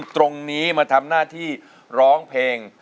ตรงนี้มาทำหน้าที่ร้องเพลง